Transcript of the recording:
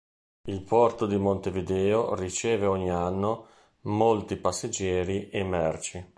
Il porto di Montevideo riceve ogni anno molti passeggeri e merci.